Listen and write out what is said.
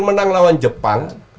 menang lawan jepang